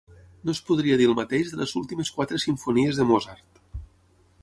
No es podria dir el mateix de les últimes quatre simfonies de Mozart.